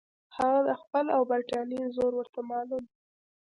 هغه د خپل او برټانیې زور ورته معلوم وو.